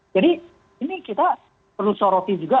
jadi ini kita perlu soroti juga